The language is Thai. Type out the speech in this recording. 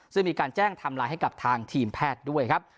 ซึ่งมีการแจ้งทำลายให้กับทางทีมแพทย์ด้วยครับ